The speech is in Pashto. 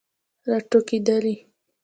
راټوکیدلې